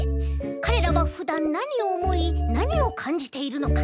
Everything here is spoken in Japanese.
かれらはふだんなにをおもいなにをかんじているのか？